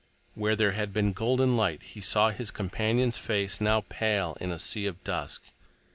Where there had been golden light, he saw his companion's face now pale in a sea of dusk.